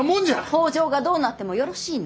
北条がどうなってもよろしいの？